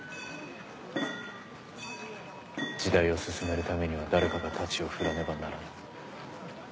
時代を進めるためには誰かが太刀を振らねばならぬ。